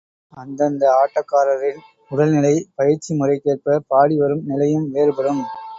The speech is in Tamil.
அந்தந்த ஆட்டக்காரரின் உடல்நிலை, பயிற்சி முறைக்கேற்ப பாடிவரும் நிலையும் வேறுபடும்.